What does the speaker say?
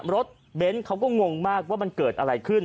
รถเบนท์เขาก็งงมากว่ามันเกิดอะไรขึ้น